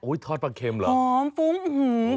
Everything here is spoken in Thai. ทอดปลาเค็มเหรอหอมฟุ้งอื้อหือ